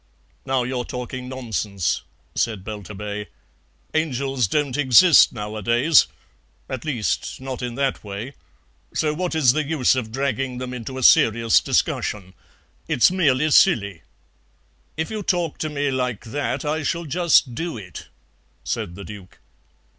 "Now you're talking nonsense," said Belturbet; "angels don't exist nowadays, at least, not in that way, so what is the use of dragging them into a serious discussion? It's merely silly." "If you talk to me like that I shall just DO it," said the Duke.